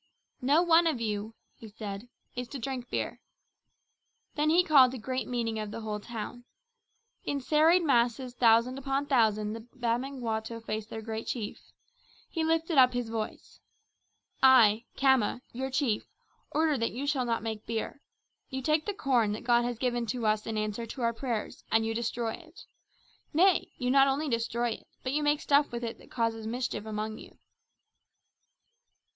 "No one of you," he said, "is to drink beer." Then he called a great meeting of the whole town. In serried masses thousand upon thousand the Bamangwato faced their great chief. He lifted up his voice: "I, Khama, your chief, order that you shall not make beer. You take the corn that God has given to us in answer to our prayers and you destroy it. Nay, you not only destroy it, but you make stuff with it that causes mischief among you."